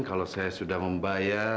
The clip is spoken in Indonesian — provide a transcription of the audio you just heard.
kalau saya sudah membayar